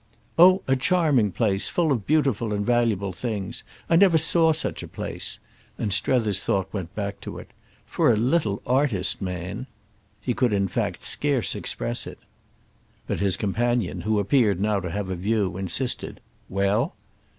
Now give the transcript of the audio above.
"Oh a charming place; full of beautiful and valuable things. I never saw such a place"—and Strether's thought went back to it. "For a little artist man—!" He could in fact scarce express it. But his companion, who appeared now to have a view, insisted. "Well?"